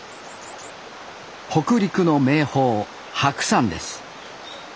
北陸の名峰白山です。